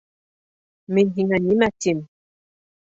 — Мин һиңә нимә тим?